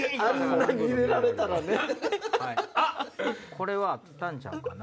これはあったんちゃうかな。